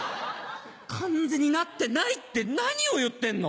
完全になってないって何を言ってんの！